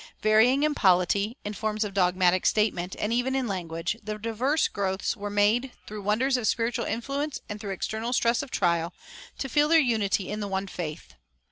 Varying in polity, in forms of dogmatic statement, and even in language, the diverse growths were made, through wonders of spiritual influence and through external stress of trial, to feel their unity in the one faith.